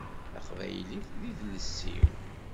Taqbaylit d idles-iw.